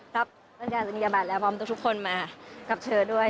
ครับวันการสัญญาบัตรแล้วพร้อมทุกคนมากับเชิญด้วย